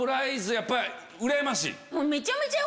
やっぱりうらやましい？